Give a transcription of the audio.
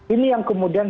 ini yang kemudian